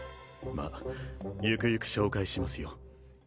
まあゆくゆく紹介しますよ